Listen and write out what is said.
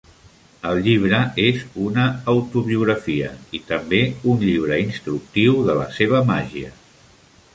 El llibre és una autobiografia i també un llibre instructiu de la seva màgia.